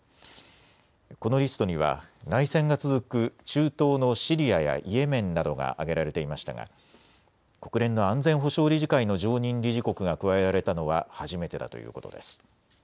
このリストには内戦が続く中東のシリアやイエメンなどが挙げられていましたが国連の安全保障理事会の常任理事国が加えられたのは初めてだということです。